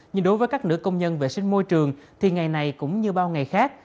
nhưng đối với các nữ công nhân vệ sinh môi trường thì ngày này cũng như bao ngày khác